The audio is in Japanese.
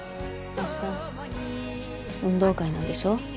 あした運動会なんでしょ？